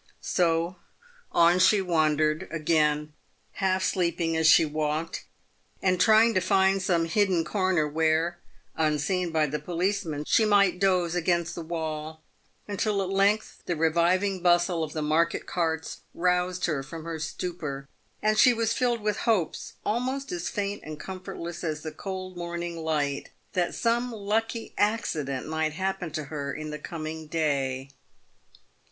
So on she wandered again, half sleeping as she walked, and trying to find some hidden corner where, unseen by the policeman, she might doze against the wall, until at length the reviving bustle of the market carts roused her from her stupor, and she was filled with hopes, almost as faint and comfortless as the cold morning light, that some lucky accident might happen to her in the coming day.